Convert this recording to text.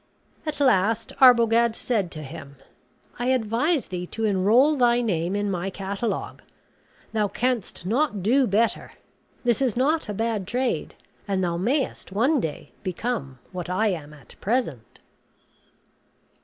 At last Arbogad said to him: "I advise thee to enroll thy name in my catalogue; thou canst not do better; this is not a bad trade; and thou mayest one day become what I am at present."